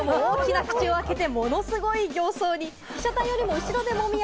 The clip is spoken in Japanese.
２匹とも大きな口を開けて、ものすごい形相に。